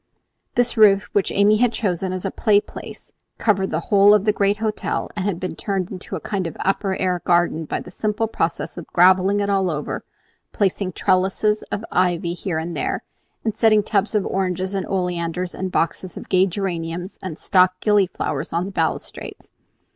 This roof, which Amy had chosen as a playplace, covered the whole of the great hotel, and had been turned into a sort of upper air garden by the simple process of gravelling it all over, placing trellises of ivy here and there, and setting tubs of oranges and oleanders and boxes of gay geraniums and stock gillyflowers on the balustrades.